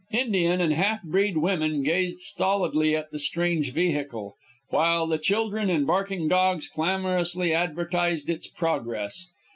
Indian and half breed women gazed stolidly at the strange vehicle, while the children and barking dogs clamorously advertised its progress.